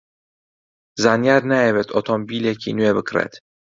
زانیار نایەوێت ئۆتۆمۆبیلێکی نوێ بکڕێت.